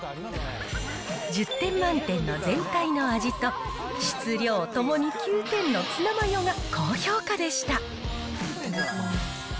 １０点満点の全体の味と、質、量ともに９点のツナマヨが高評価でした。